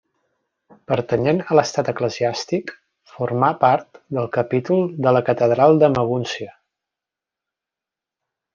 Pertanyent a l'estat eclesiàstic, formà part del Capítol de la Catedral de Magúncia.